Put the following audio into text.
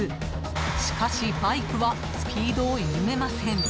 しかし、バイクはスピードを緩めません。